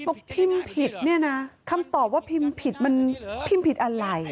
ปรบภิมพิดเนี่ยนะคำตอบว่าผิมผิดมันผิดอะไร